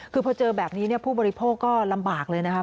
คือพอเจอแบบนี้ผู้บริโภคก็ลำบากเลยนะครับ